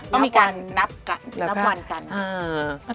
ต้องมีการนับวันกัน